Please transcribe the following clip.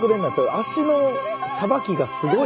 足のさばきがすごい。